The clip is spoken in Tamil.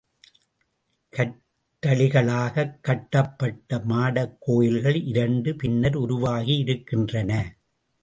கற்றளிகளாகக் கட்டப்பட்ட மாடக் கோயில்கள் இரண்டு பின்னர் உருவாகி இருக்கின்றன.